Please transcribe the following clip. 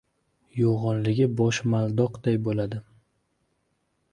Yo‘g‘onligi boshmaldoqday bo‘ladi.